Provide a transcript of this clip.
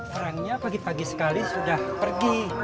orangnya pagi pagi sekali sudah pergi